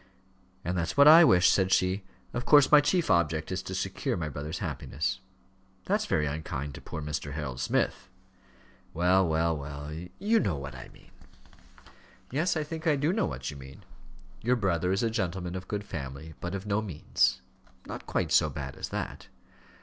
"And that's what I wish," said she. "Of course my chief object is to secure my brother's happiness." "That's very unkind to poor Mr. Harold Smith." "Well, well, well you know what I mean." "Yes, I think I do know what you mean. Your brother is a gentleman of good family, but of no means." "Not quite so bad as that."